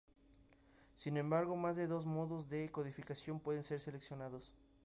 Sin embargo más de dos modos de codificación pueden ser seleccionados.